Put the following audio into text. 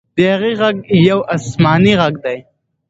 د هغې ږغ یو آسماني ږغ دی.